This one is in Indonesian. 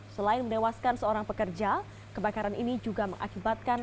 selain menewaskan seorang pekerja kebakaran ini juga mengakibatkan